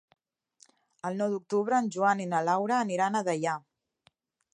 El nou d'octubre en Joan i na Laura aniran a Deià.